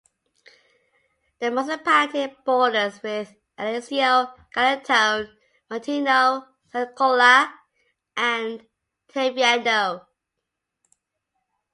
The municipality borders with Alezio, Galatone, Matino, Sannicola and Taviano.